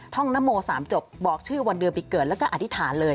นโม๓จบบอกชื่อวันเดือนปีเกิดแล้วก็อธิษฐานเลย